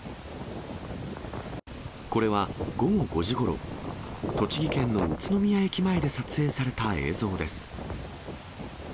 これは、午後５時ごろ、栃木県の宇都宮駅前で撮影された映像です。